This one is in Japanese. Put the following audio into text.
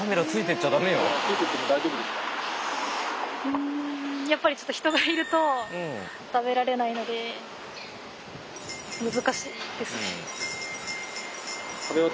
うんやっぱりちょっと人がいると食べられないので難しいですね。